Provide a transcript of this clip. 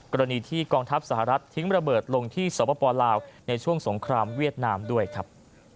กรณีที่กองทัพสหรัฐทิ้งระเบิดลงที่สปลาวในช่วงสงครามเวียดนามด้วยครับ